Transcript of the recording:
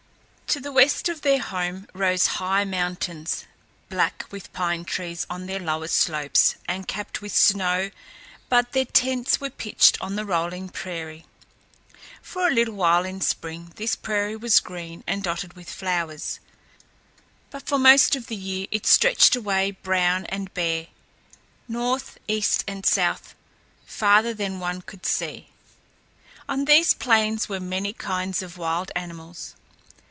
To the west of their home rose high mountains, black with pine trees on their lower slopes and capped with snow, but their tents were pitched on the rolling prairie. For a little while in spring this prairie was green and dotted with flowers, but for most of the year it stretched away brown and bare, north, east, and south, farther than one could see. On these plains were many kinds of wild animals.